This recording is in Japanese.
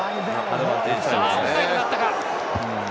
オフサイドがあったか。